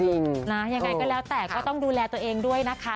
ยังไงก็แล้วแต่ก็ต้องดูแลตัวเองด้วยนะคะ